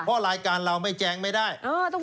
เพราะรายการเราไม่แจงไม่ได้